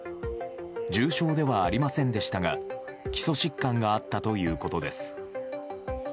重症ではありませんでしたが基礎疾患があったということです。